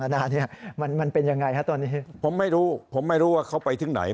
นานี้มันเป็นยังไงฮะตอนนี้ผมไม่รู้ผมไม่รู้ว่าเขาไปถึงไหน